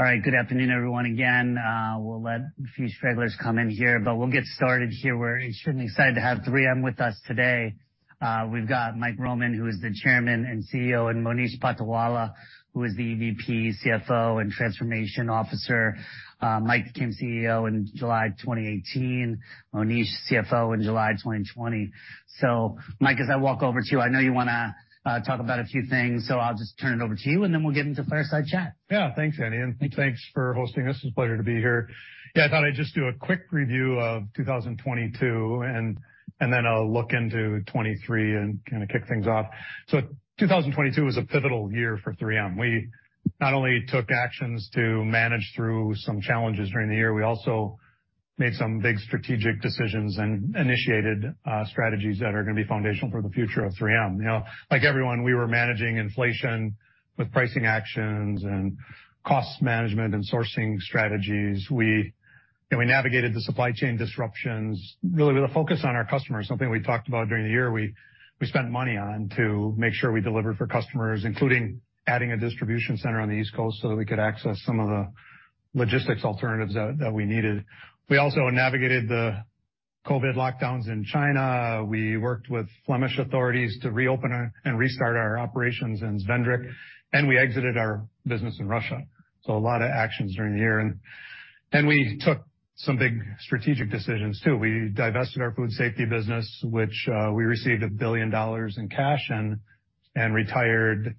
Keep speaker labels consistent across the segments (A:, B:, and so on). A: All right. Good afternoon, everyone, again. We'll let a few stragglers come in here, but we'll get started here. We're extremely excited to have 3M with us today. We've got Mike Roman, who is the chairman and CEO, and Monish Patolawala, who is the EVP, CFO, and transformation officer. Mike became CEO in July 2018, Monish, CFO in July 2020. Mike, as I walk over to you, I know you wanna talk about a few things, so I'll just turn it over to you, and then we'll get into fireside chat.
B: Yeah. Thanks, Andy.
A: Mm-hmm.
B: Thanks for hosting us. It's a pleasure to be here. I thought I'd just do a quick review of 2022, and then I'll look into 2023 and kinda kick things off. 2022 was a pivotal year for 3M. We not only took actions to manage through some challenges during the year, we also made some big strategic decisions and initiated strategies that are gonna be foundational for the future of 3M. You know, like everyone, we were managing inflation with pricing actions and cost management and sourcing strategies. We, you know, we navigated the supply chain disruptions. Really with a focus on our customers, something we talked about during the year, we spent money on to make sure we delivered for customers, including adding a distribution center on the East Coast so that we could access some of the logistics alternatives that we needed. We also navigated the COVID lockdowns in China. We worked with Flemish authorities to reopen and restart our operations in Zwijndrecht, and we exited our business in Russia. A lot of actions during the year. We took some big strategic decisions too. We divested our food safety business, which we received $1 billion in cash and retired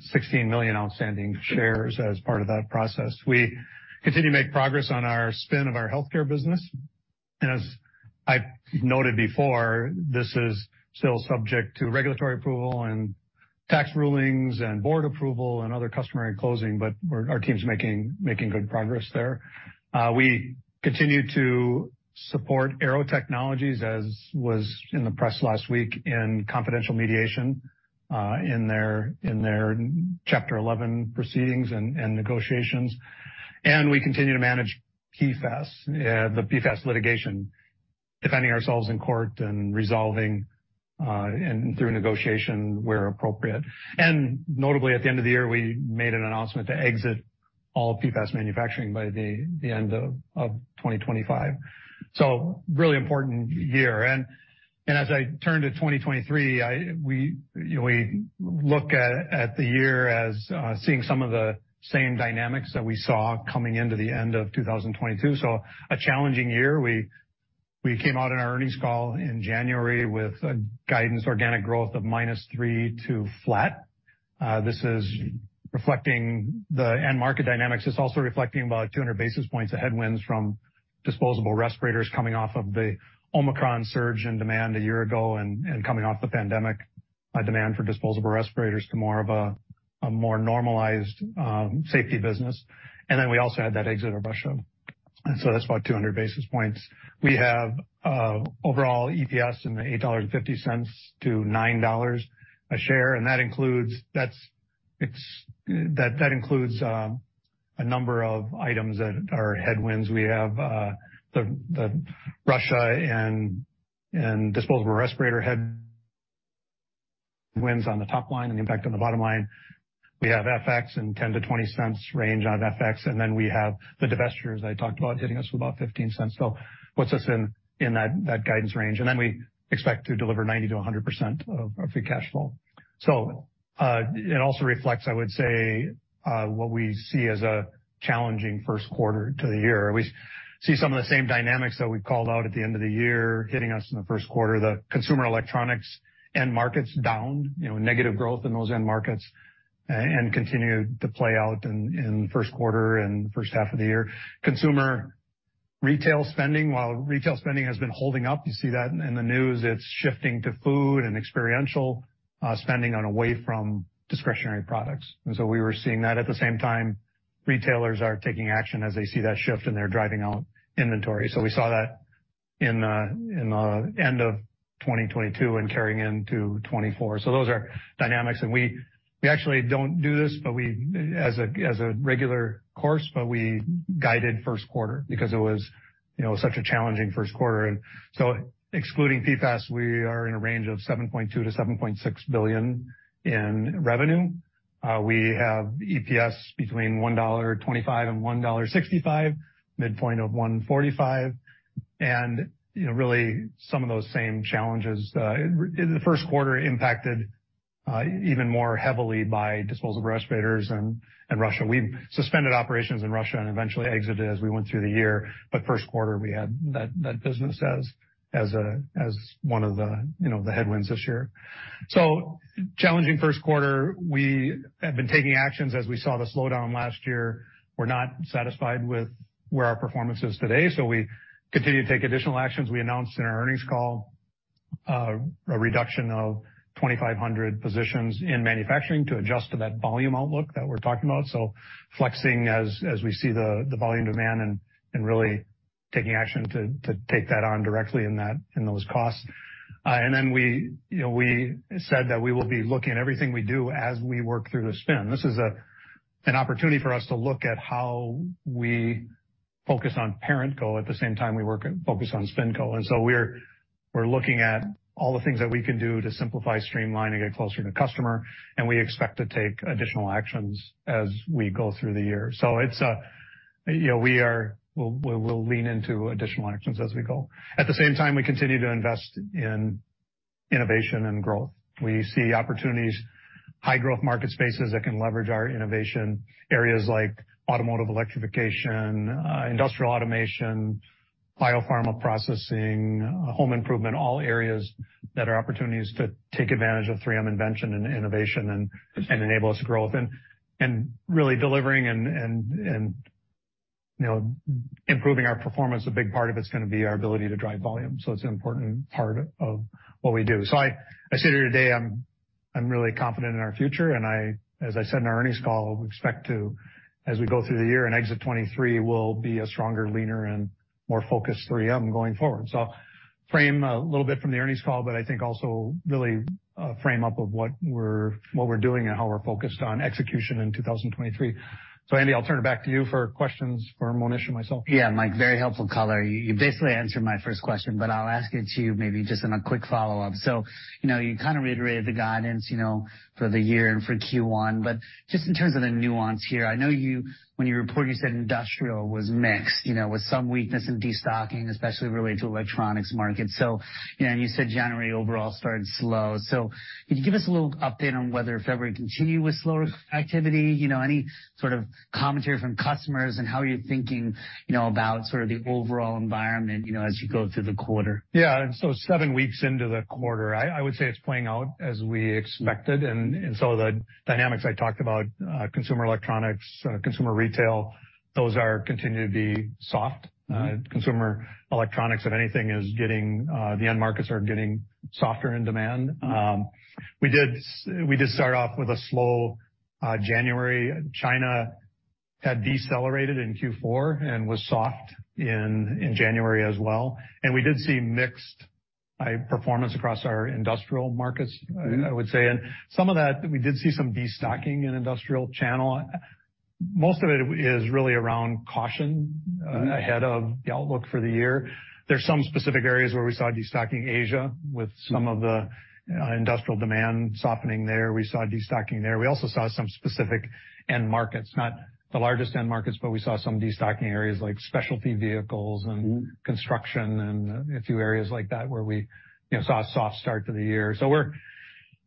B: 16 million outstanding shares as part of that process. We continue to make progress on our spin of our healthcare business, and as I've noted before, this is still subject to regulatory approval and tax rulings and board approval and other customary closing, but our team's making good progress there. We continue to support Aearo Technologies, as was in the press last week in confidential mediation, in their Chapter 11 proceedings and negotiations. We continue to manage PFAS, the PFAS litigation, defending ourselves in court and resolving and through negotiation where appropriate. Notably, at the end of the year, we made an announcement to exit all PFAS manufacturing by the end of 2025. Really important year. As I turn to 2023, we, you know, we look at the year as seeing some of the same dynamics that we saw coming into the end of 2022, so a challenging year. We came out in our earnings call in January with a guidance organic growth of -3% to flat. This is reflecting the end market dynamics. It's also reflecting about 200 basis points of headwinds from disposable respirators coming off of the Omicron surge in demand a year ago and coming off the pandemic demand for disposable respirators to more of a more normalized safety business. Then we also had that exit of Russia. So that's about 200 basis points. We have overall EPS in the $8.50-$9.00 a share, that includes a number of items that are headwinds. We have the Russia and disposable respirator headwinds on the top line and the impact on the bottom line. We have FX in $0.10-$0.20 range on FX, we have the divestitures I talked about hitting us with about $0.15. Puts us in that guidance range. We expect to deliver 90%-100% of free cash flow. It also reflects, I would say, what we see as a challenging first quarter to the year. We see some of the same dynamics that we called out at the end of the year hitting us in the first quarter. The consumer electronics end market's down, you know, negative growth in those end markets and continued to play out in the first quarter and first half of the year. Consumer retail spending, while retail spending has been holding up, you see that in the news, it's shifting to food and experiential spending and away from discretionary products. We were seeing that. At the same time, retailers are taking action as they see that shift, and they're driving out inventory. We saw that in end of 2022 and carrying into 2024. Those are dynamics. We actually don't do this, as a regular course, but we guided first quarter because it was, you know, such a challenging first quarter. Excluding PFAS, we are in a range of $7.2 billion-$7.6 billion in revenue. We have EPS between $1.25 and $1.65, midpoint of $1.45. You know, really some of those same challenges in the first quarter impacted even more heavily by disposable respirators and Russia. We suspended operations in Russia and eventually exited as we went through the year, but first quarter, we had that business as one of the, you know, the headwinds this year. Challenging first quarter. We have been taking actions as we saw the slowdown last year. We're not satisfied with where our performance is today, so we continue to take additional actions. We announced in our earnings call, a reduction of 2,500 positions in manufacturing to adjust to that volume outlook that we're talking about. Flexing as we see the volume demand and really taking action to take that on directly in those costs. We, you know, we said that we will be looking at everything we do as we work through the spin. This is an opportunity for us to look at how we focus on ParentCo. At the same time, we focus on SpinCo. We're looking at all the things that we can do to simplify, streamline, and get closer to the customer, and we expect to take additional actions as we go through the year. It's, you know, we will lean into additional actions as we go. At the same time, we continue to invest in innovation and growth. We see opportunities, high growth market spaces that can leverage our innovation areas like automotive electrification, industrial automation, biopharma processing, home improvement, all areas that are opportunities to take advantage of 3M invention and innovation and enable us to grow. Really delivering, you know, improving our performance, a big part of it's gonna be our ability to drive volume. It's an important part of what we do. I sit here today, I'm really confident in our future, and I, as I said in our earnings call, we expect to as we go through the year and exit 2023 will be a stronger, leaner, and more focused 3M going forward. Frame a little bit from the earnings call, but I think also really frame up of what we're doing and how we're focused on execution in 2023. Andy, I'll turn it back to you for questions for Monish and myself.
A: Yeah. Mike, very helpful color. You basically answered my first question, but I'll ask it to you maybe just in a quick follow-up. You know, you kind of reiterated the guidance, you know, for the year and for Q1. Just in terms of the nuance here, I know when you report you said industrial was mixed, you know, with some weakness in destocking, especially related to electronics markets. You know, you said January overall started slow. Could you give us a little update on whether February continued with slower activity? You know, any sort of commentary from customers and how you're thinking, you know, about sort of the overall environment, you know, as you go through the quarter.
B: Yeah. Seven weeks into the quarter, I would say it's playing out as we expected. The dynamics I talked about, consumer electronics, consumer retail, those are continue to be soft. Consumer electronics, if anything, is getting, the end markets are getting softer in demand. We did start off with a slow January. China had decelerated in Q4 and was soft in January as well. We did see mixed high performance across our industrial markets, I would say. Some of that, we did see some destocking in industrial channel. Most of it is really around caution, ahead of the outlook for the year. There's some specific areas where we saw destocking Asia with some of the industrial demand softening there. We saw destocking there. We also saw some specific end markets, not the largest end markets, but we saw some destocking areas like specialty vehicles and construction and a few areas like that where we, you know, saw a soft start to the year. We're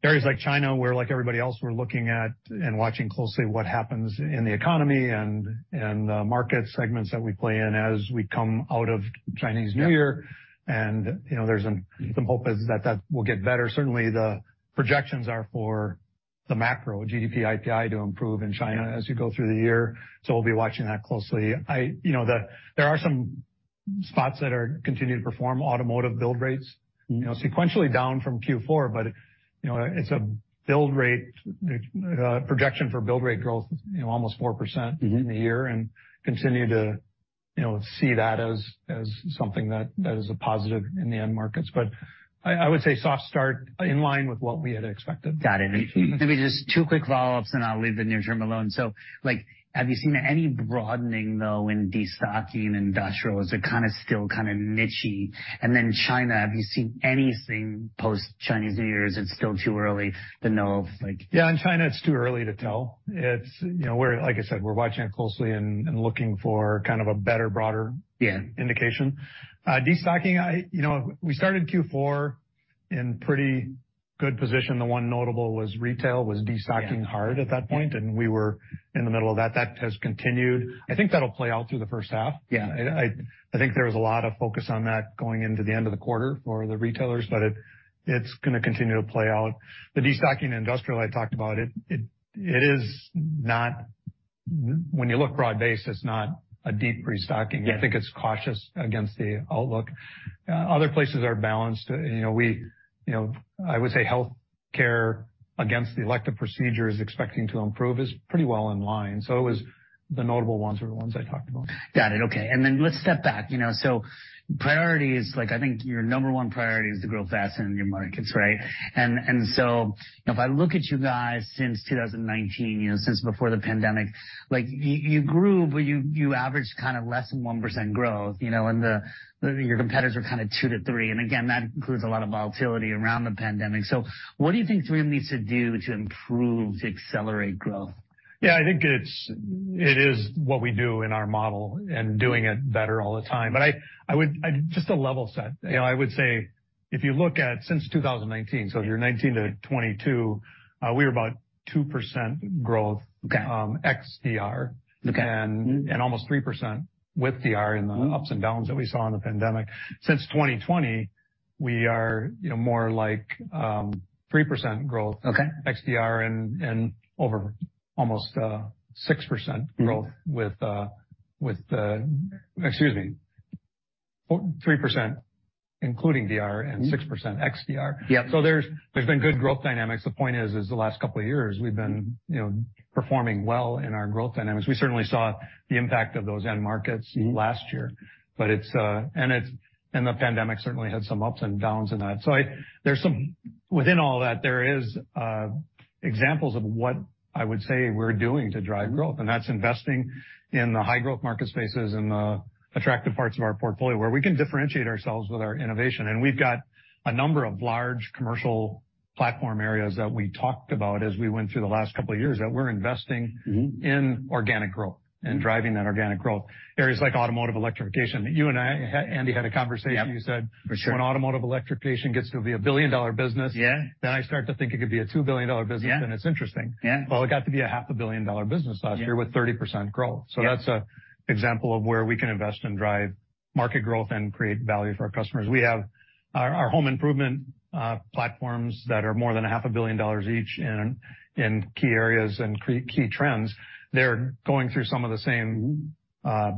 B: areas like China, where like everybody else, we're looking at and watching closely what happens in the economy and the market segments that we play in as we come out of Chinese New Year. You know, there's some hope is that will get better. Certainly, the projections are for the macro GDP IPI to improve in China as you go through the year, so we'll be watching that closely. You know, there are some spots that are continuing to perform automotive build rates, you know, sequentially down from Q4, but, you know, it's a build rate, projection for build rate growth, you know, almost 4% in a year and continue to, you know, see that as something that is a positive in the end markets. I would say soft start in line with what we had expected.
A: Got it. Maybe just two quick follow-ups, and I'll leave the near term alone. Like, have you seen any broadening, though, in destocking in industrial? Is it kinda still kinda nichey? China, have you seen anything post-Chinese New Year's? It's still too early to know of, like-
B: Yeah. In China, it's too early to tell. It's, you know, like I said, we're watching it closely and looking for kind of a better.
A: Yeah.
B: Indication. Destocking, I, you know, we started Q4 in pretty good position. The one notable was retail was destocking hard at that point, and we were in the middle of that. That has continued. I think that'll play out through the first half.
A: Yeah.
B: I think there was a lot of focus on that going into the end of the quarter for the retailers, but it's gonna continue to play out. The destocking in industrial, I talked about it. It is not when you look broad-based, it's not a deep restocking.
A: Yeah.
B: I think it's cautious against the outlook. other places are balanced. You know, I would say healthcare against the elective procedure is expecting to improve is pretty well in line. It was the notable ones were the ones I talked about.
A: Got it. Okay. Let's step back. You know, priority is like, I think your number one priority is to grow faster than your markets, right? You know, if I look at you guys since 2019, you know, since before the pandemic, like, you grew, but you averaged kind of less than 1% growth, you know, your competitors were kind of 2%-3%. Again, that includes a lot of volatility around the pandemic. What do you think 3M needs to do to improve, to accelerate growth?
B: Yeah. I think it's, it is what we do in our model and doing it better all the time. I would just to level set, you know, I would say if you look at since 2019, so if you're 2019 to 2022, we were about 2% growth-
A: Okay.
B: XDR.
A: Okay.
B: Almost 3% with DR in the ups and downs that we saw in the pandemic. Since 2020, we are, you know, more like, 3% growth.
A: Okay.
B: XDR and over almost, 6% growth with excuse me, 3% including DR and 6% XDR.
A: Yeah.
B: There's been good growth dynamics. The point is, the last couple of years we've been, you know, performing well in our growth dynamics. We certainly saw the impact of those end markets last year. The pandemic certainly had some ups and downs in that. Within all that, there is examples of what I would say we're doing to drive growth. That's investing in the high growth market spaces and the attractive parts of our portfolio where we can differentiate ourselves with our innovation. We've got a number of large commercial-Platform areas that we talked about as we went through the last couple of years that we're investing-
A: Mm-hmm.
B: -in organic growth and driving that organic growth. Areas like automotive electrification. You and I Andy, had a conversation.
A: Yep. For sure.
B: You said when automotive electrification gets to be a billion-dollar business.
A: Yeah.
B: I start to think it could be a $2 billion business.
A: Yeah.
B: It's interesting.
A: Yeah.
B: Well, it got to be a half a billion dollar business last year with 30% growth.
A: Yeah.
B: That's a example of where we can invest and drive market growth and create value for our customers. We have our home improvement platforms that are more than a half a dollars billion each in key areas and key trends. They're going through some of the same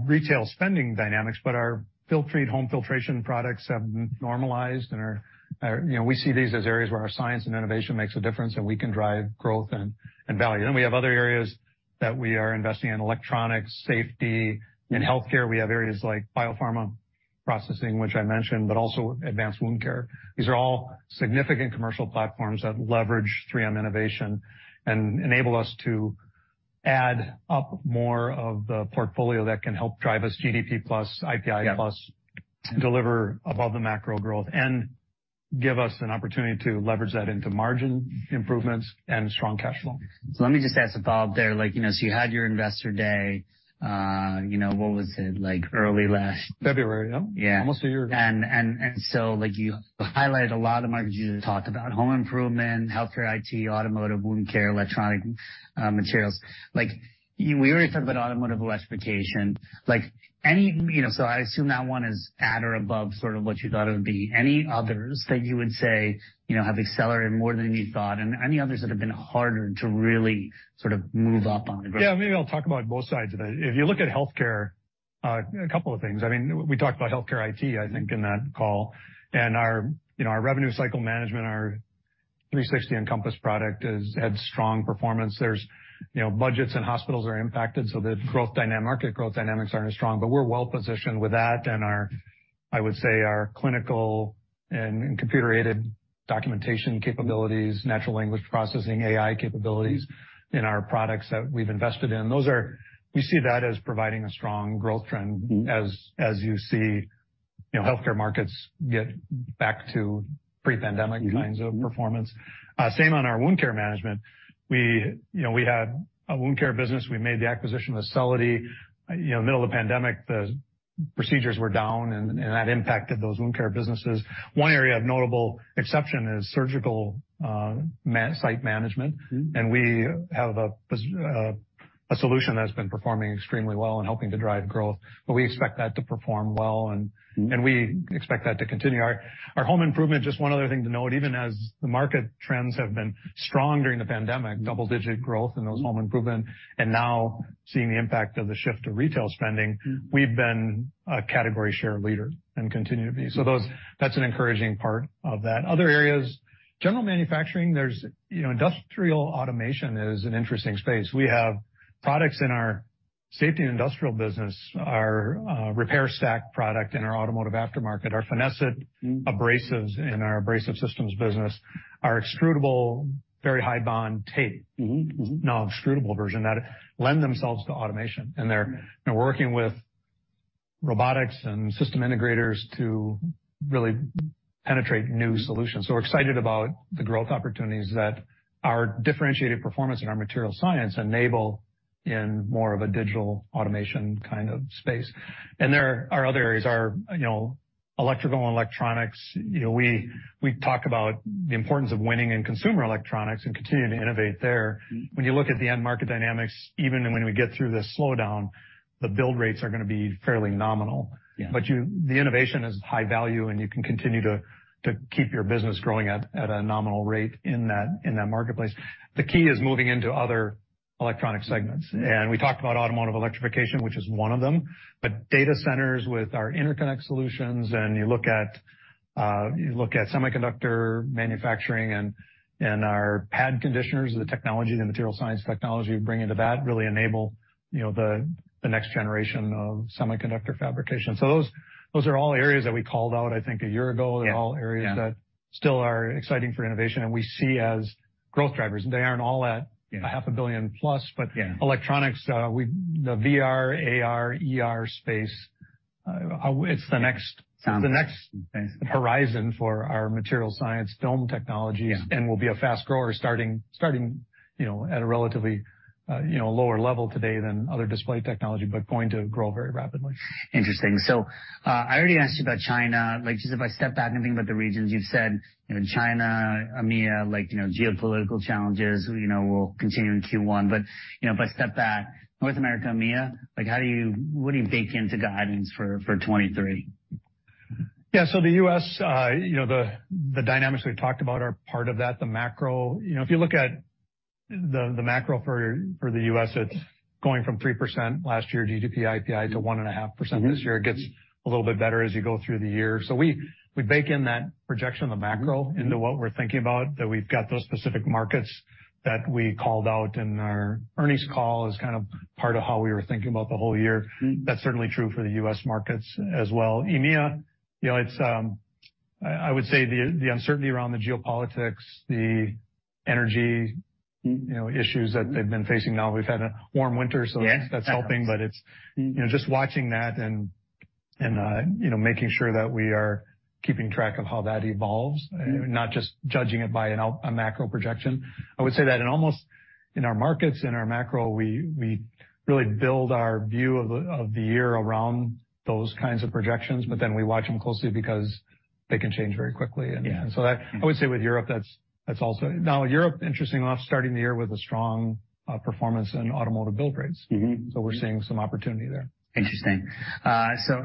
B: retail spending dynamics, but our Filtrete home filtration products have normalized and are You know, we see these as areas where our science and innovation makes a difference, and we can drive growth and value. We have other areas that we are investing in: electronics, safety. In healthcare, we have areas like biopharma processing, which I mentioned, but also advanced wound care. These are all significant commercial platforms that leverage 3M innovation and enable us to add up more of the portfolio that can help drive us GDP plus, IPI plus.
A: Yeah.
B: Deliver above the macro growth and give us an opportunity to leverage that into margin improvements and strong cash flow.
A: Let me just ask a follow-up there. Like, you know, so you had your investor day, you know, what was it, like early...
B: February, yeah.
A: Yeah.
B: Almost a year ago.
A: Like, you highlighted a lot of markets. You talked about home improvement, healthcare IT, automotive, wound care, electronic materials. We already talked about automotive electrification. You know, I assume that one is at or above sort of what you thought it would be. Any others that you would say, you know, have accelerated more than you thought, and any others that have been harder to really sort of move up on the growth?
B: Yeah, maybe I'll talk about both sides of that. If you look at healthcare, a couple of things. I mean, we talked about healthcare IT, I think, in that call. Our, you know, our revenue cycle management, our 360 Encompass product had strong performance. There's, you know, budgets and hospitals are impacted, so market growth dynamics aren't as strong, but we're well positioned with that and our, I would say, our clinical and computer-aided documentation capabilities, natural language processing, AI capabilities in our products that we've invested in. We see that as providing a strong growth trend.
A: Mm-hmm.
B: As you see, you know, healthcare markets get back to pre-pandemic kinds of performance. Same on our wound care management. We, you know, we had a wound care business. We made the acquisition of Acelity. You know, middle of the pandemic, the procedures were down and that impacted those wound care businesses. One area of notable exception is surgical site management.
A: Mm-hmm.
B: We have a solution that has been performing extremely well and helping to drive growth. We expect that to perform well.
A: Mm-hmm.
B: We expect that to continue. Our home improvement, just one other thing to note, even as the market trends have been strong during the pandemic, double-digit growth in those home improvement, and now seeing the impact of the shift of retail spending.
A: Mm-hmm.
B: We've been a category share leader and continue to be. That's an encouraging part of that. Other areas, general manufacturing, there's, you know, industrial automation is an interesting space. We have products in our Safety and Industrial business, our RepairStack product in our automotive aftermarket, our Finesse-it abrasives in our abrasive systems business, our extrudable very high bond tape.
A: Mm-hmm. Mm-hmm.
B: Non-extrudable version, that lend themselves to automation. They're, you know, working with robotics and system integrators to really penetrate new solutions. We're excited about the growth opportunities that our differentiated performance in our material science enable in more of a digital automation kind of space. There are other areas, our, you know, electrical and electronics. You know, we talk about the importance of winning in consumer electronics and continuing to innovate there.
A: Mm-hmm.
B: When you look at the end market dynamics, even when we get through this slowdown, the build rates are gonna be fairly nominal.
A: Yeah.
B: The innovation is high value, and you can continue to keep your business growing at a nominal rate in that marketplace. The key is moving into other electronic segments. We talked about automotive electrification, which is one of them, but data centers with our interconnect solutions, and you look at semiconductor manufacturing and our pad conditioners, the technology, the material science technology we bring into that really enable, you know, the next generation of semiconductor fabrication. Those are all areas that we called out, I think, a year ago.
A: Yeah. Yeah.
B: They're all areas that still are exciting for innovation and we see as growth drivers. They aren't all at-
A: Yeah.
B: a half a billion plus.
A: Yeah.
B: Electronics, the VR, AR, XR space, it's the next.
A: Sounds good.
B: it's the next horizon for our material science film technologies.
A: Yeah.
B: We'll be a fast grower starting, you know, at a relatively, you know, lower level today than other display technology, but going to grow very rapidly.
A: Interesting. I already asked you about China. Like, just if I step back and think about the regions, you've said, you know, China, EMEA, like, you know, geopolitical challenges, you know, will continue in Q1. you know, if I step back, North America, EMEA, like, what do you bake into guidance for 2023?
B: Yeah. the U.S., you know, the dynamics we talked about are part of that, the macro. You know, if you look at the macro for the U.S., it's going from 3% last year, GDP, IPI, to 1.5% this year. It gets a little bit better as you go through the year. we bake in that projection of the macro into what we're thinking about, that we've got those specific markets that we called out in our earnings call as kind of part of how we were thinking about the whole year.
A: Mm-hmm.
B: That's certainly true for the U.S. markets as well. EMEA, you know, it's, I would say the uncertainty around the geopolitics, the energy, you know, issues that they've been facing. Now we've had a warm winter, so that's helping.
A: Yeah.
B: It's, you know, just watching that and, you know, making sure that we are keeping track of how that evolves and not just judging it by a macro projection. I would say that in almost in our markets, in our macro, we really build our view of the year around those kinds of projections, but then we watch them closely because they can change very quickly.
A: Yeah.
B: I would say with Europe, that's also. Europe, interestingly enough, starting the year with a strong performance in automotive build rates.
A: Mm-hmm.
B: We're seeing some opportunity there.
A: Interesting.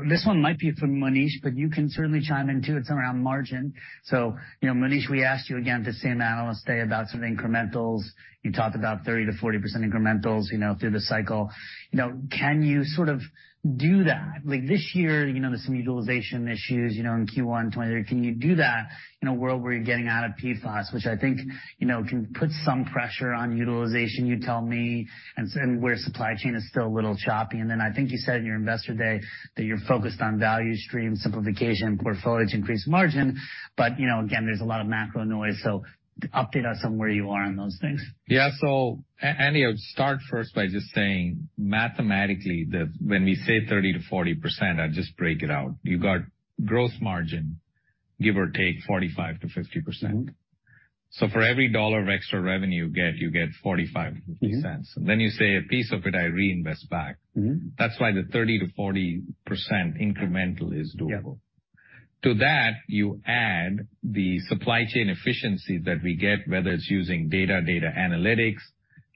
A: This one might be for Monish, but you can certainly chime in too. It's around margin. You know, Monish, we asked you again at the same analyst day about some incrementals. You talked about 30%-40% incrementals, you know, through the cycle. You know, can you sort of do that? Like, this year, you know, there's some utilization issues, you know, in Q1 2023. Can you do that in a world where you're getting out of PFAS, which I think, you know, can put some pressure on utilization, you tell me, and where supply chain is still a little choppy. Then I think you said in your investor day that you're focused on value stream simplification, portfolio to increase margin. You know, again, there's a lot of macro noise. Update us on where you are on those things.
C: Yeah. Andy, I would start first by just saying mathematically when we say 30%-40%, I'd just break it out. You've got growth margin, give or take 45%-50%.
A: Mm-hmm.
C: For every dollar of extra revenue you get, you get $0.45.
A: Mm-hmm.
C: You say a piece of it I reinvest back.
A: Mm-hmm.
C: That's why the 30%-40% incremental is doable.
A: Yeah.
C: To that, you add the supply chain efficiencies that we get, whether it's using data analytics,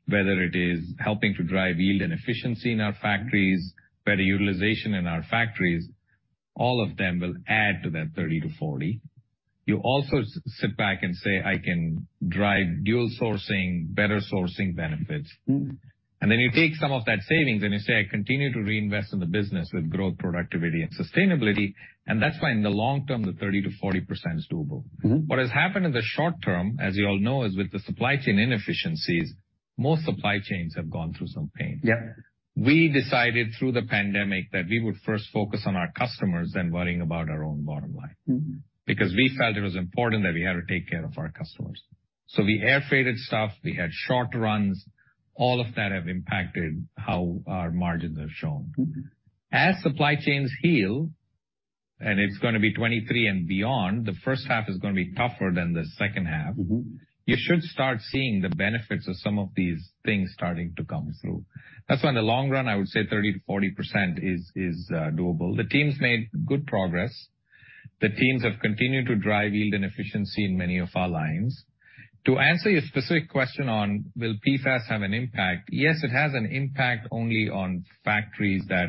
C: whether it is helping to drive yield and efficiency in our factories, better utilization in our factories, all of them will add to that 30%-40%. You also sit back and say, "I can drive dual sourcing, better sourcing benefits.
A: Mm-hmm.
C: Then you take some of that savings, and you say, "I continue to reinvest in the business with growth, productivity, and sustainability." That's why in the long term, the 30%-40% is doable.
A: Mm-hmm.
C: What has happened in the short term, as you all know, is with the supply chain inefficiencies, most supply chains have gone through some pain.
A: Yep.
C: We decided through the pandemic that we would first focus on our customers than worrying about our own bottom line.
A: Mm-hmm.
C: We felt it was important that we had to take care of our customers. We air freighted stuff, we had short runs. All of that have impacted how our margins have shown.
A: Mm-hmm.
C: As supply chains heal, and it's gonna be 2023 and beyond, the first half is gonna be tougher than the second half.
A: Mm-hmm.
C: You should start seeing the benefits of some of these things starting to come through. That's why in the long run, I would say 30%-40% is doable. The teams made good progress. The teams have continued to drive yield and efficiency in many of our lines. To answer your specific question on will PFAS have an impact, yes, it has an impact only on factories that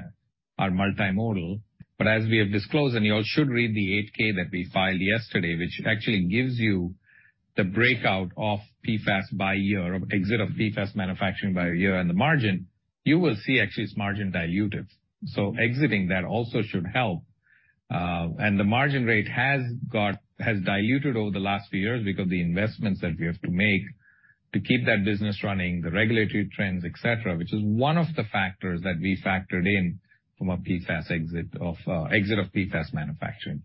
C: are multimodal. As we have disclosed, and you all should read the 8-K that we filed yesterday, which actually gives you the breakout of PFAS by year, exit of PFAS manufacturing by year and the margin, you will see actually it's margin dilutive. Exiting that also should help. The margin rate has diluted over the last few years because the investments that we have to make to keep that business running, the regulatory trends, et cetera, which is one of the factors that we factored in from a PFAS exit of exit of PFAS manufacturing.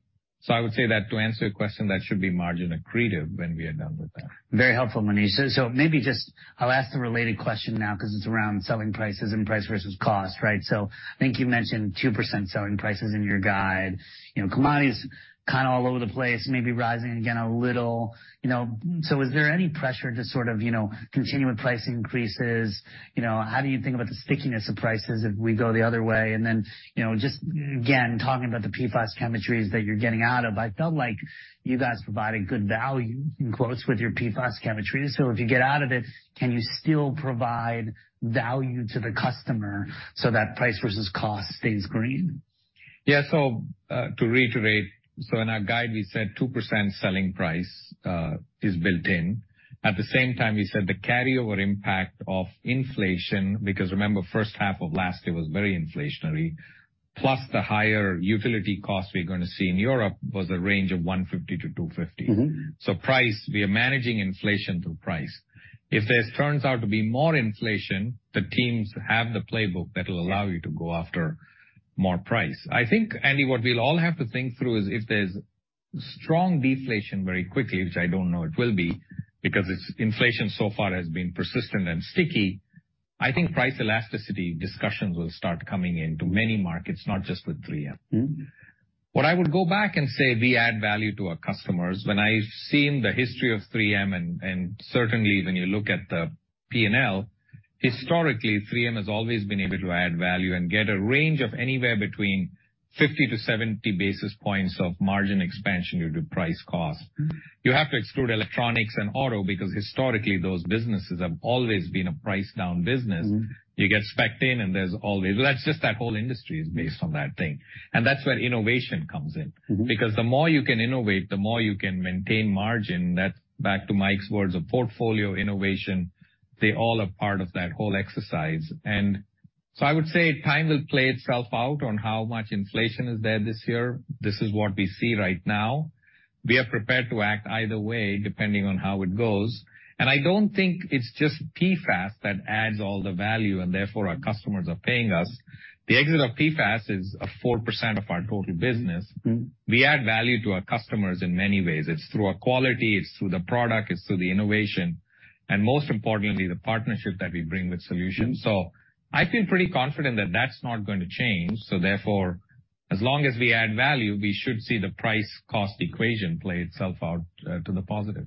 C: I would say that to answer your question, that should be margin accretive when we are done with that.
A: Very helpful, Monish. Maybe just I'll ask the related question now because it's around selling prices and price versus cost, right? I think you mentioned 2% selling prices in your guide. You know, commodities kinda all over the place, maybe rising again a little, you know. Is there any pressure to sort of, you know, continue with price increases? You know, how do you think about the stickiness of prices if we go the other way? Then, you know, just again, talking about the PFAS chemistries that you're getting out of, I felt like you guys provided good value in quotes with your PFAS chemistries. If you get out of it, can you still provide value to the customer so that price versus cost stays green?
C: To reiterate, so in our guide, we said 2% selling price is built in. At the same time, we said the carryover impact of inflation, because remember, first half of last year was very inflationary, plus the higher utility costs we're gonna see in Europe was a range of 150 to 250.
A: Mm-hmm.
C: Price, we are managing inflation through price. If there turns out to be more inflation, the teams have the playbook that'll allow you to go after more price. I think, Andy, what we'll all have to think through is if there's strong deflation very quickly, which I don't know it will be, because it's inflation so far has been persistent and sticky, I think price elasticity discussions will start coming into many markets, not just with 3M.
A: Mm-hmm.
C: What I would go back and say we add value to our customers, when I've seen the history of 3M, and certainly when you look at the P&L, historically, 3M has always been able to add value and get a range of anywhere between 50 basis points-70 basis points of margin expansion due to price cost.
A: Mm-hmm.
C: You have to exclude electronics and auto because historically, those businesses have always been a price down business.
A: Mm-hmm.
C: You get spec'd in, and there's always. That's just that whole industry is based on that thing. That's where innovation comes in.
A: Mm-hmm.
C: Because the more you can innovate, the more you can maintain margin. That's back to Mike's words of portfolio innovation. They all are part of that whole exercise. I would say time will play itself out on how much inflation is there this year. This is what we see right now. We are prepared to act either way, depending on how it goes. I don't think it's just PFAS that adds all the value, and therefore our customers are paying us. The exit of PFAS is a 4% of our total business.
A: Mm-hmm.
C: We add value to our customers in many ways. It's through our quality, it's through the product, it's through the innovation, and most importantly, the partnership that we bring with solutions.
A: Mm-hmm.
C: I feel pretty confident that that's not going to change. Therefore, as long as we add value, we should see the price cost equation play itself out to the positive.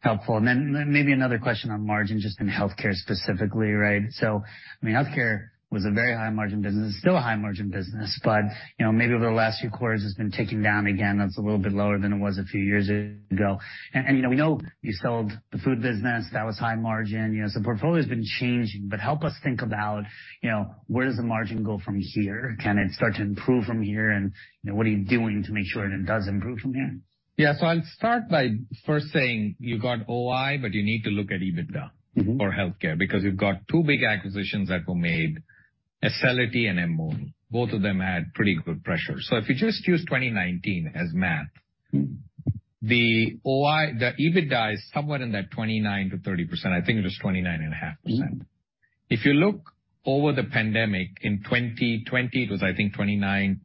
A: Helpful. Then maybe another question on margin just in healthcare specifically, right? I mean, healthcare was a very high margin business, still a high margin business, but, you know, maybe over the last few quarters, it's been ticking down again. That's a little bit lower than it was a few years ago. You know, we know you sold the food business. That was high margin. You know, so portfolio's been changing. Help us think about, you know, where does the margin go from here? Can it start to improve from here? You know, what are you doing to make sure that it does improve from here?
C: Yeah. I'll start by first saying you got OI, but you need to look at EBITDA.
A: Mm-hmm.
C: For healthcare, because you've got two big acquisitions that were made, Acelity and M*Modal. Both of them had pretty good pressure. If you just use 2019 as.
A: Mm-hmm.
C: The OI, the EBITDA is somewhere in that 29%-30%. I think it was 29.5%.
A: Mm-hmm.
C: If you look over the pandemic in 2020, it was, I think, 29.2%.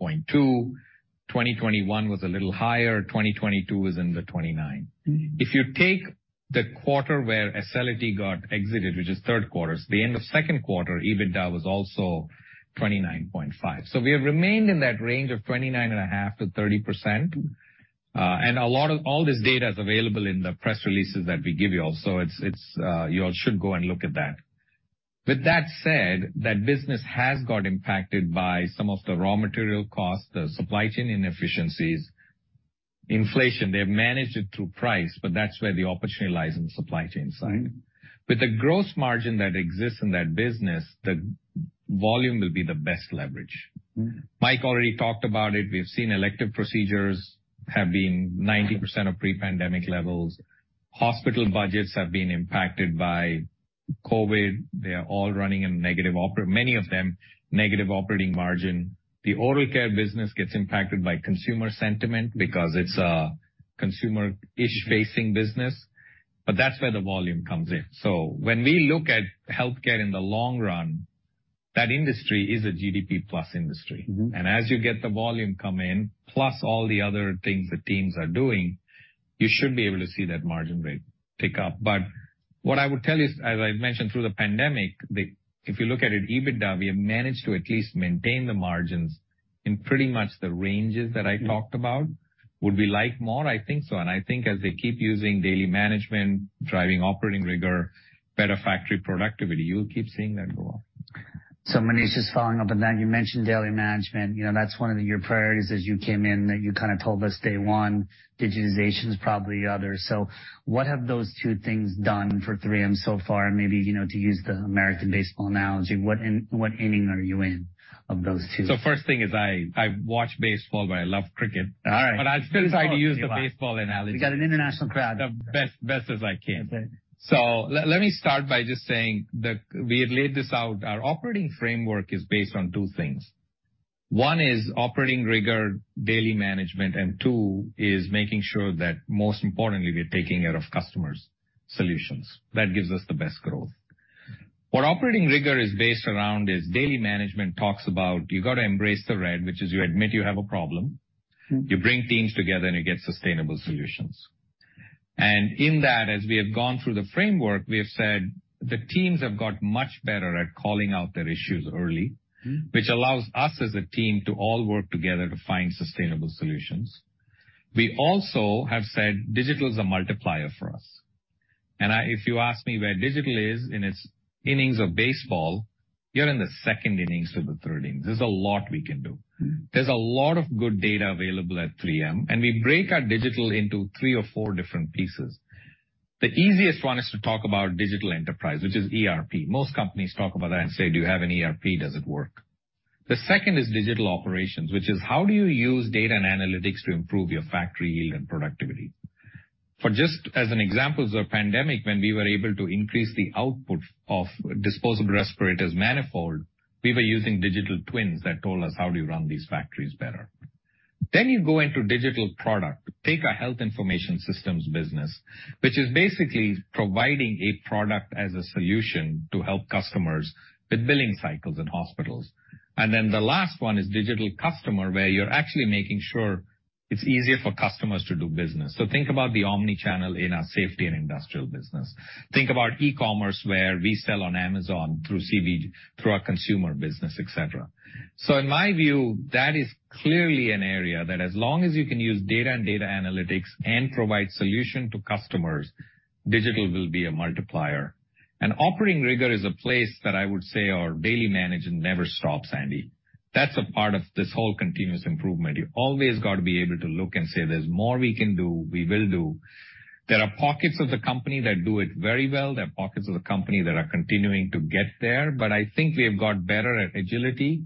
C: 2021 was a little higher. 2022 was in the 29%.
A: Mm-hmm.
C: If you take the quarter where Acelity got exited, which is third quarter, so the end of second quarter, EBITDA was also 29.5%. We have remained in that range of 29.5%-30%. All this data is available in the press releases that we give you all. It's, it's, you all should go and look at that. With that said, that business has got impacted by some of the raw material costs, the supply chain inefficiencies, inflation. They've managed it through price, but that's where the opportunity lies in the supply chain side.
A: Mm-hmm.
C: With the gross margin that exists in that business, the volume will be the best leverage.
A: Mm-hmm.
C: Mike already talked about it. We've seen elective procedures have been 90% of pre-pandemic levels. Hospital budgets have been impacted by COVID. They are all running in negative many of them, negative operating margin. The oral care business gets impacted by consumer sentiment because it's a consumer-ish facing business, but that's where the volume comes in. When we look at healthcare in the long run, that industry is a GDP plus industry.
A: Mm-hmm.
C: As you get the volume come in, plus all the other things the teams are doing, you should be able to see that margin rate pick up. What I would tell you, as I've mentioned through the pandemic, if you look at it EBITDA, we have managed to at least maintain the margins in pretty much the ranges that I talked about. Would we like more? I think so. I think as they keep using daily management, driving operating rigor, better factory productivity, you'll keep seeing that grow.
A: Monish, just following up on that, you mentioned daily management. You know, that's one of your priorities as you came in, that you kinda told us day one, digitization is probably the other. What have those two things done for 3M so far? Maybe, you know, to use the American baseball analogy, what inning are you in of those two?
C: First thing is I watch baseball, but I love cricket.
A: All right.
C: I'll still try to use the baseball analogy.
A: We got an international crowd.
C: The best as I can.
A: That's right.
C: Let me start by just saying that we have laid this out. Our operating framework is based on two things. One is operating rigor, daily management, and two is making sure that most importantly, we're taking care of customers solutions. That gives us the best growth. What operating rigor is based around is daily management talks about you gotta embrace the red, which is you admit you have a problem.
A: Mm-hmm.
C: You bring teams together, and you get sustainable solutions. In that, as we have gone through the framework, we have said the teams have got much better at calling out their issues early.
A: Mm-hmm.
C: Which allows us as a team to all work together to find sustainable solutions. We also have said digital is a multiplier for us. If you ask me where digital is in its innings of baseball, you're in the second innings to the third innings. There's a lot we can do.
A: Mm-hmm.
C: There's a lot of good data available at 3M, we break our digital into three or four different pieces. The easiest one is to talk about digital enterprise, which is ERP. Most companies talk about that and say, "Do you have an ERP? Does it work?" The second is digital operations, which is how do you use data and analytics to improve your factory yield and productivity? For just as an example, the pandemic, when we were able to increase the output of disposable respirators manifold, we were using digital twins that told us, how do you run these factories better? You go into digital product. Take our health information systems business, which is basically providing a product as a solution to help customers with billing cycles in hospitals. The last one is digital customer, where you're actually making sure it's easier for customers to do business. Think about the omni-channel in our Safety and Industrial business. Think about e-commerce, where we sell on Amazon through CB, through our consumer business, et cetera. In my view, that is clearly an area that as long as you can use data and data analytics and provide solution to customers, digital will be a multiplier. Operating rigor is a place that I would say our daily management never stops, Andy. That's a part of this whole continuous improvement. You've always got to be able to look and say, "There's more we can do, we will do." There are pockets of the company that do it very well. There are pockets of the company that are continuing to get there. I think we have got better at agility.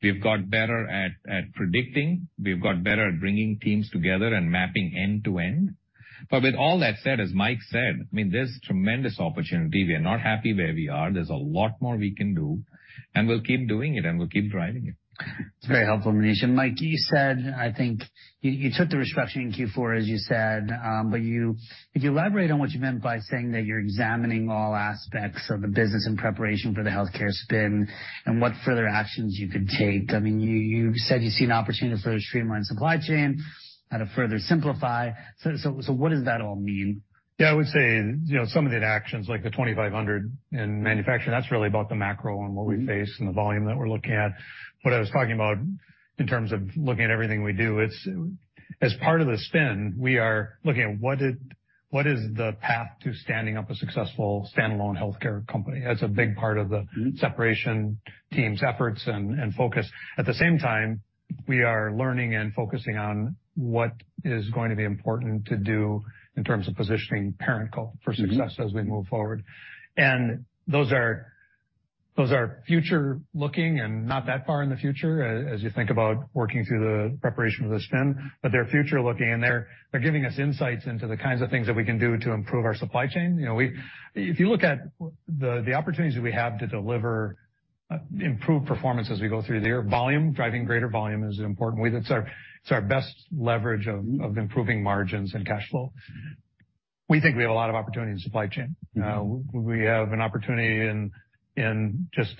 C: We've got better at predicting. We've got better at bringing teams together and mapping end to end. With all that said, as Mike said, I mean, there's tremendous opportunity. We are not happy where we are. There's a lot more we can do, and we'll keep doing it, and we'll keep driving it.
A: It's very helpful, Monish. Mike, you said, I think you took the restructuring in Q4, as you said, could you elaborate on what you meant by saying that you're examining all aspects of the business in preparation for the healthcare spin and what further actions you could take? I mean, you said you see an opportunity to further streamline supply chain, how to further simplify. What does that all mean?
B: Yeah, I would say, you know, some of the actions like the 2,500 in manufacturing, that's really about the macro and what we face and the volume that we're looking at. What I was talking about in terms of looking at everything we do, As part of the spin, we are looking at what is the path to standing up a successful standalone healthcare company? That's a big part of the separation team's efforts and focus. At the same time, we are learning and focusing on what is going to be important to do in terms of positioning ParentCo for success as we move forward. Those are future-looking and not that far in the future as you think about working through the preparation of the spin. They're future-looking, and they're giving us insights into the kinds of things that we can do to improve our supply chain. You know, if you look at the opportunities that we have to deliver improved performance as we go through there, volume, driving greater volume is important. That's our best leverage of improving margins and cash flow. We think we have a lot of opportunity in supply chain. We have an opportunity in just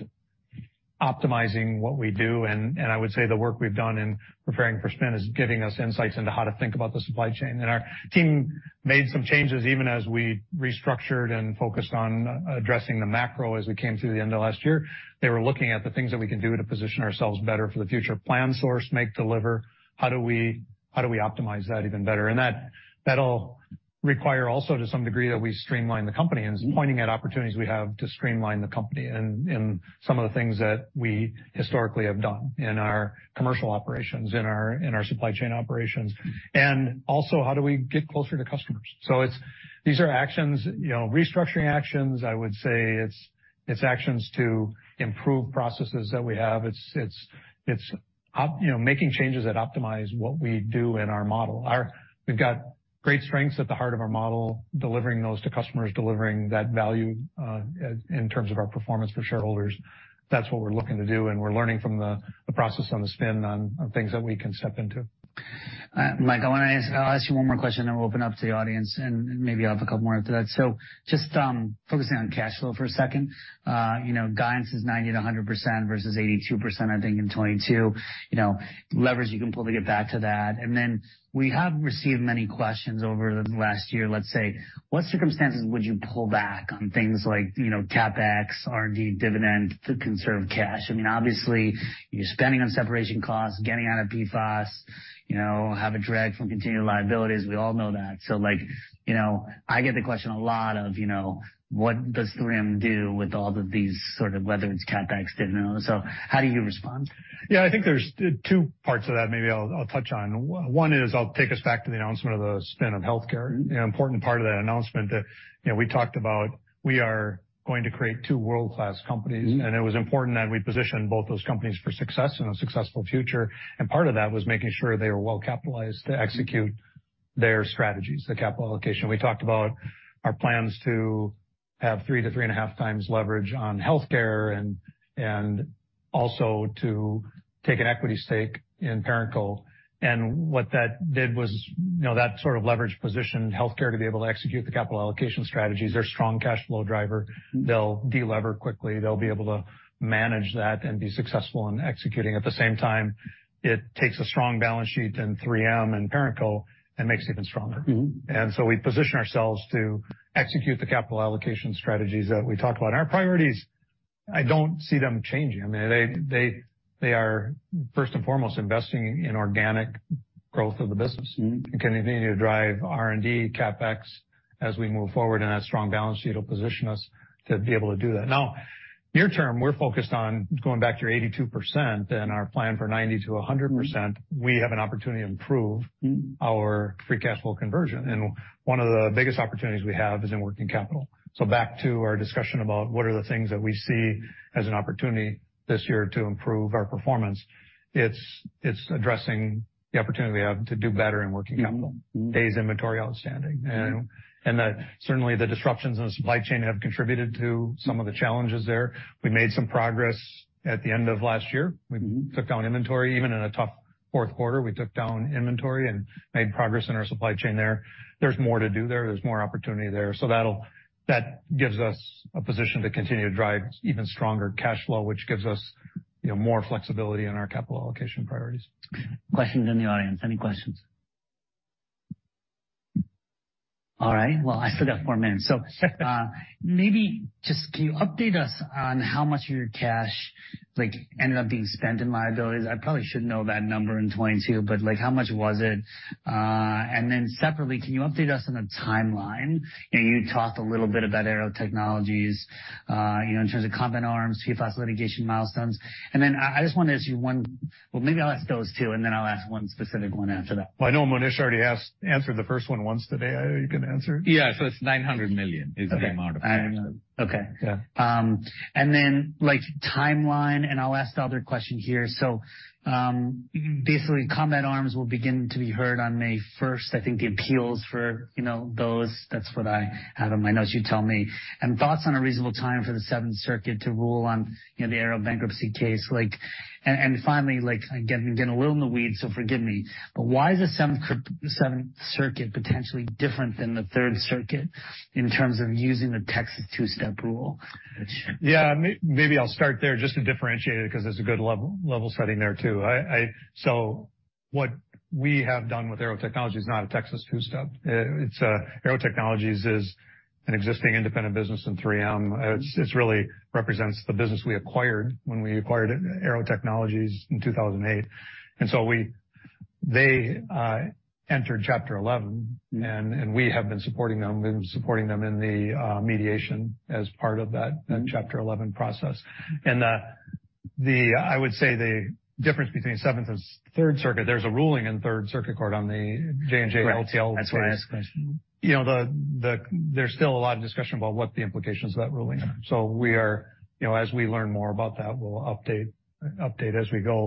B: optimizing what we do, and I would say the work we've done in preparing for spin is giving us insights into how to think about the supply chain. And our team made some changes even as we restructured and focused on addressing the macro as we came through the end of last year. They were looking at the things that we can do to position ourselves better for the future. Plan, source, make, deliver. How do we optimize that even better? That, that'll require also to some degree that we streamline the company and it's pointing at opportunities we have to streamline the company and some of the things that we historically have done in our commercial operations, in our supply chain operations. Also, how do we get closer to customers? These are actions, you know, restructuring actions, I would say. It's actions to improve processes that we have. It's, it's, you know, making changes that optimize what we do in our model. We've got great strengths at the heart of our model, delivering those to customers, delivering that value in terms of our performance for shareholders. That's what we're looking to do, and we're learning from the process on the spin on things that we can step into.
A: Mike, I'll ask you one more question, we'll open up to the audience, maybe I'll have a couple more after that. Just focusing on cash flow for a second. you know, guidance is 90% to 100% versus 82%, I think, in 2022. You know, leverage you can pull to get back to that. We have received many questions over the last year, let's say. What circumstances would you pull back on things like, you know, CapEx, R&D, dividend to conserve cash? I mean, obviously, you're spending on separation costs, getting out of PFAS, you know, have a drag from continued liabilities. We all know that. like, you know, I get the question a lot of, you know, what does 3M do with all of these sort of whether it's CapEx, didn't know. How do you respond?
B: Yeah, I think there's two parts of that maybe I'll touch on. One is I'll take us back to the announcement of the spin of healthcare. An important part of that announcement that, you know, we talked about we are going to create two world-class companies, and it was important that we position both those companies for success and a successful future. Part of that was making sure they were well-capitalized to execute their strategies, the capital allocation. We talked about our plans to have 3x-3.5x leverage on healthcare and also to take an equity stake in ParentCo. What that did was, you know, that sort of leverage positioned healthcare to be able to execute the capital allocation strategies. They're a strong cash flow driver. They'll de-lever quickly. They'll be able to manage that and be successful in executing. At the same time, it takes a strong balance sheet in 3M and ParentCo and makes it even stronger.
A: Mm-hmm.
B: We position ourselves to execute the capital allocation strategies that we talk about. Our priorities, I don't see them changing. I mean, they are first and foremost investing in organic growth of the business and continue to drive R&D, CapEx as we move forward, and that strong balance sheet will position us to be able to do that. Now, near term, we're focused on going back to your 82% and our plan for 90%-100%. We have an opportunity to improve our free cash flow conversion, and one of the biggest opportunities we have is in working capital. Back to our discussion about what are the things that we see as an opportunity this year to improve our performance, it's addressing the opportunity we have to do better in working capital, days inventory outstanding. That certainly the disruptions in the supply chain have contributed to some of the challenges there. We made some progress at the end of last year. We took down inventory. Even in a tough fourth quarter, we took down inventory and made progress in our supply chain there. There's more to do there. There's more opportunity there. That gives us a position to continue to drive even stronger cash flow, which gives us, you know, more flexibility in our capital allocation priorities.
A: Questions in the audience. Any questions? All right. I said that four minutes. Maybe just can you update us on how much of your cash, like, ended up being spent in liabilities? I probably should know that number in 2022, but, like, how much was it? Separately, can you update us on the timeline? You know, you talked a little bit about Aearo Technologies, you know, in terms of Combat Arms, PFAS litigation milestones. I just wanted to ask you one. Maybe I'll ask those two, then I'll ask one specific one after that.
B: Well, I know Monish already answered the first one once today. Are you gonna answer it?
C: Yeah. It's $900 million is the amount of cash.
A: Timeline, and I'll ask the other question here. Basically, Combat Arms will begin to be heard on May first. I think the appeals for, you know, those, that's what I have in my notes. You tell me. Thoughts on a reasonable time for the Seventh Circuit to rule on, you know, the Aearo bankruptcy case. Finally, I'm getting a little in the weeds, so forgive me, why is the Seventh Circuit potentially different than the Third Circuit in terms of using the Texas two-step rule?
B: Yeah. Maybe I'll start there just to differentiate it 'cause there's a good level setting there, too. What we have done with Aearo Technologies is not a Texas two-step. It's Aearo Technologies is an existing independent business in 3M. It really represents the business we acquired when we acquired it, Aearo Technologies in 2008. They entered Chapter 11, and we have been supporting them in the mediation as part of that Chapter 11 process. I would say the difference between Seventh and Third Circuit, there's a ruling in Third Circuit Court on the J&J LTL case.
A: Right. That's what I was going to.
B: You know, there's still a lot of discussion about what the implications of that ruling are. We are, you know, as we learn more about that, we'll update as we go.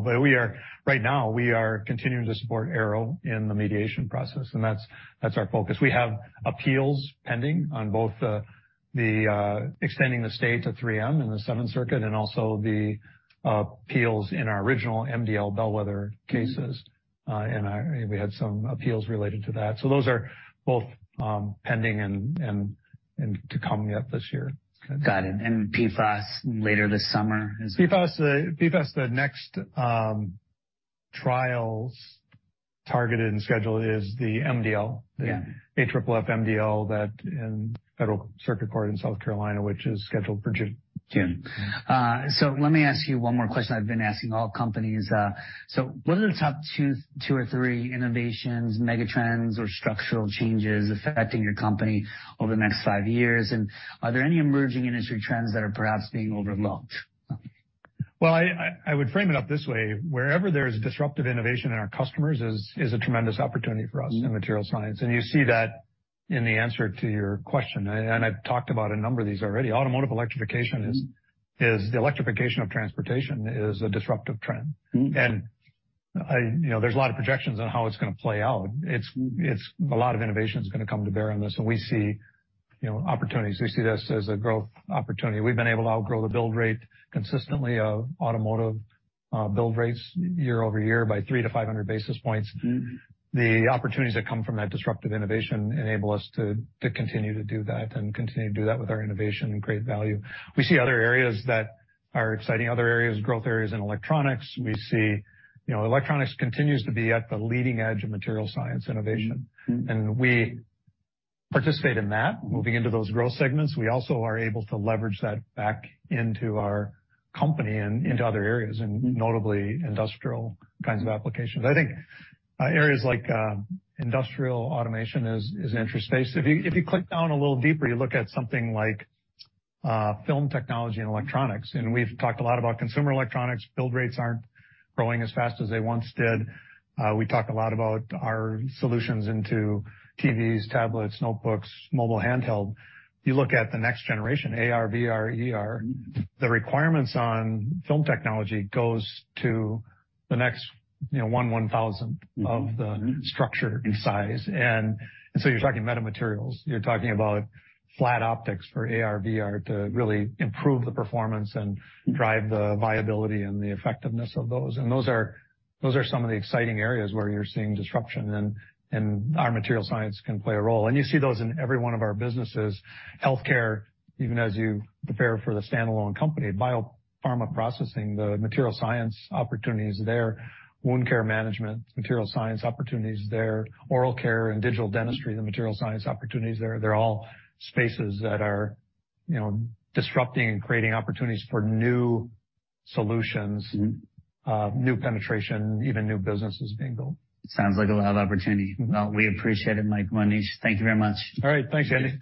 B: Right now we are continuing to support Aearo in the mediation process, and that's our focus. We have appeals pending on both, the extending the state to 3M in the Seventh Circuit and also the appeals in our original MDL bellwether cases. We had some appeals related to that. Those are both pending and to come yet this year.
A: Got it. PFAS later this summer is-
B: PFAS, the next trials targeted and scheduled is the MDL.
A: Yeah.
B: The AFFF MDL that in Federal Circuit Court in South Carolina, which is scheduled for June.
A: June. Let me ask you one more question I've been asking all companies. What are the top two or three innovations, mega trends, or structural changes affecting your company over the next five years? Are there any emerging industry trends that are perhaps being overlooked?
B: Well, I would frame it up this way. Wherever there's disruptive innovation in our customers is a tremendous opportunity for us in material science. You see that in the answer to your question, and I've talked about a number of these already. Automotive electrification is the electrification of transportation is a disruptive trend.
A: Mm-hmm.
B: I, you know, there's a lot of projections on how it's gonna play out. It's a lot of innovation is gonna come to bear on this. We see, you know, opportunities. We see this as a growth opportunity. We've been able to outgrow the build rate consistently of automotive build rates year over year by 300 basis points-500 basis points.
A: Mm-hmm.
B: The opportunities that come from that disruptive innovation enable us to continue to do that and continue to do that with our innovation and create value. We see other areas that are exciting, other areas, growth areas in electronics. We see, you know, electronics continues to be at the leading edge of material science innovation.
A: Mm-hmm.
B: We participate in that, moving into those growth segments. We also are able to leverage that back into our company and into other areas, and notably industrial kinds of applications. I think, areas like industrial automation is an interest space. If you click down a little deeper, you look at something like film technology and electronics, and we've talked a lot about consumer electronics. Build rates aren't growing as fast as they once did. We talk a lot about our solutions into TVs, tablets, notebooks, mobile handheld. You look at the next generation, AR, VR, XR.
A: Mm-hmm.
B: The requirements on film technology goes to the next, you know, one-thousandth of the structure in size. So you're talking metamaterials. You're talking about flat optics for AR, VR to really improve the performance and drive the viability and the effectiveness of those. Those are some of the exciting areas where you're seeing disruption, and our material science can play a role. You see those in every one of our businesses. Healthcare, even as you prepare for the standalone company, biopharma processing, the material science opportunity is there. Wound care management, material science opportunity is there. Oral care and digital dentistry, the material science opportunity is there. They're all spaces that are, you know, disrupting and creating opportunities for new solutions...
A: Mm-hmm.
B: New penetration, even new businesses being built.
A: Sounds like a lot of opportunity. Well, we appreciate it, Mike, Monish. Thank you very much.
B: All right. Thanks, Andy.